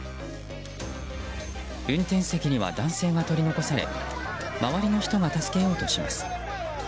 運転席には男性が取り残され周りの人が助けようとします。